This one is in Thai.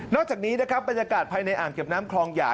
จากนี้นะครับบรรยากาศภายในอ่างเก็บน้ำคลองหยา